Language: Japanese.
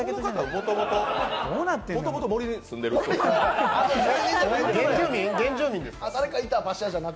もともと森に住んでる人。